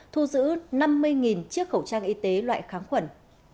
thu giữ năm mươi chiếc khẩu trang y tế loại kháng khuẩn